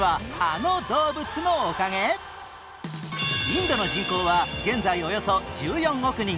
インドの人口は現在およそ１４億人。